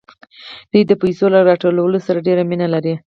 دوی د پیسو له راټولولو سره ډېره مینه لري